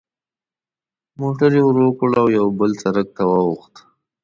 موټر یې ورو کړ او یوه بل سړک ته واوښت.